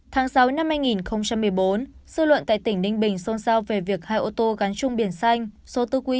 tháng sáu năm hai nghìn một mươi bốn dư luận tại tỉnh ninh bình xôn xao về việc hai ô tô gắn chung biển xanh số tư quý ba mươi năm a chín nghìn chín trăm chín mươi chín